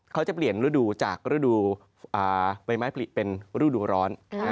เขาจะเปลี่ยนฤดูจากฤดูใบไม้ผลิเป็นฤดูร้อน